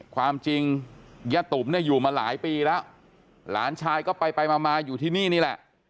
ความจริงยะตุ๋มเนี่ยอยู่มาหลายปีแล้วหลานชายก็ไปไปมามาอยู่ที่นี่นี่แหละ